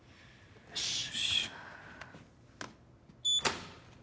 よし。